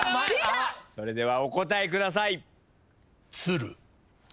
それではお答えください。